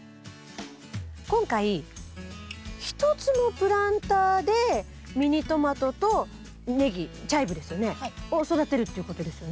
今回１つのプランターでミニトマトとネギチャイブですよねを育てるっていうことですよね？